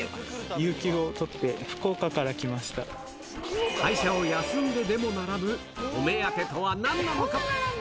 有給を取って福岡から来まし会社を休んででも並ぶ、お目当てとはなんなのか。